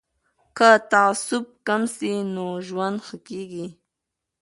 که تعصب کم سي نو ژوند ښه کیږي.